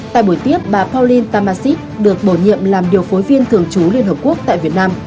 tại buổi tiếp bà polin tamasit được bổ nhiệm làm điều phối viên thường trú liên hợp quốc tại việt nam